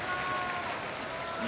錦